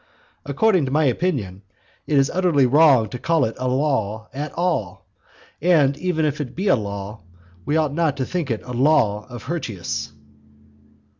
According to my opinion, it is utterly wrong to call it a law at all; and, even if it be a law, we ought not to think it a law of Hirtius.